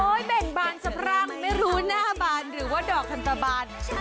โอ้ยแบ่งบานสับร่างไม่รู้หน้าบานหรือว่าดอกทานตะบาน